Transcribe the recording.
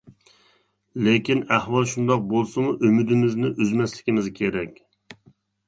لېكىن ئەھۋال شۇنداق بولسىمۇ ئۈمىدىمىزنى ئۈزمەسلىكىمىز كېرەك.